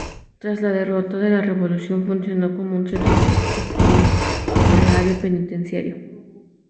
Tras la derrota de la revolución funcionó como un centro hospitalario penitenciario.